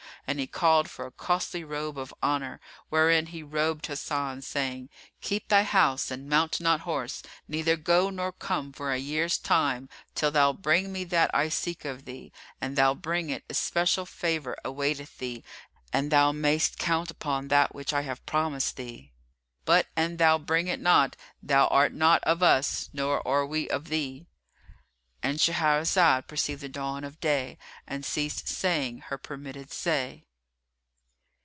And he called for a costly robe of honour wherein he robed Hasan, saying, "Keep thy house and mount not horse, neither go nor come for a year's time, till thou bring me that I seek of thee. An thou bring it, especial favour awaiteth thee and thou mayst count upon that which I have promised thee; but an thou bring it not, thou art not of us nor are we of thee."——And Shahrazad perceived the dawn of day and ceased saying her permitted say.